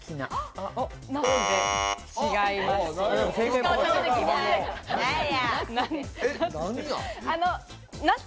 違います。